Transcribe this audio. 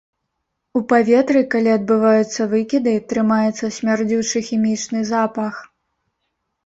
У паветры, калі адбываюцца выкіды, трымаецца смярдзючы хімічны запах.